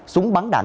súng bắn đạn